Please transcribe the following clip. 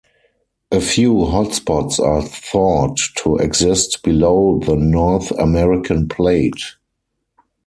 A few hotspots are thought to exist below the North American Plate.